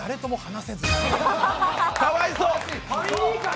かわいそう！